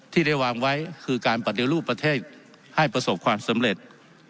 ที่ได้วางไว้คือการปฏิรูปประเทศให้ประสบความสำเร็จ